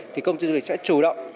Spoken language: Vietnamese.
thì công ty du lịch sẽ chủ động